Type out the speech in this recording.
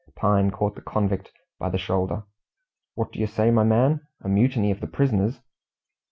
Pine caught the convict by the shoulder. "What do you say, my man? A mutiny of the prisoners!"